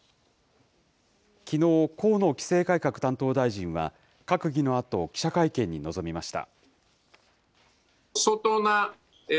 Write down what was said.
きのう、河野規制改革担当大臣は、閣議のあと、記者会見に臨みました。